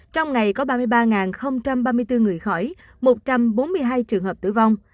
trong ngày có ba mươi ba ba mươi bốn người khỏi một trăm bốn mươi hai trường hợp tử vong